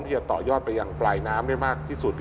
ที่จะต่อยอดไปอย่างปลายน้ำได้มากที่สุดต่อ